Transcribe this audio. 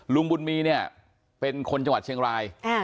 ลุงบุญมีเนี่ยเป็นคนจังหวัดเชียงราย